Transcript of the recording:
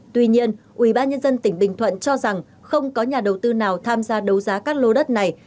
tuy nhiên ubnd tỉnh bình thuận cho rằng không có nhà đầu tư nào tham gia đấu giá các lô đất này